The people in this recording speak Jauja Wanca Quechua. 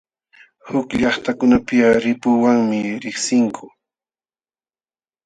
Huk llaqtakunapiqa rirpuwanmi riqsinku.